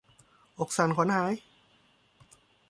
อกสั่นขวัญหาย